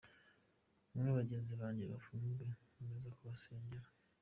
Bambwiye bagenzi banjye bafunzwe, nkomeza kubasengera.